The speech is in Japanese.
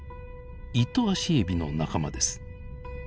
イトアシエビの仲間です。